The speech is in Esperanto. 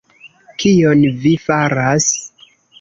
Kion vi faras!..